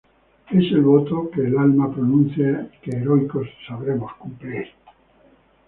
¡Es el voto que el alma pronuncia, y que heroicos sabremos cumplir!